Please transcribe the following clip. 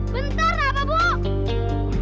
bentar nak apa bu